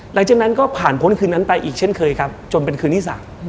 หลังจากนั้นก็ผ่านพ้นคืนนั้นไปอีกเช่นเคยครับจนเป็นคืนที่๓